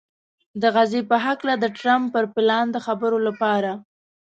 د غزې په هکله د ټرمپ پر پلان د خبرو لپاره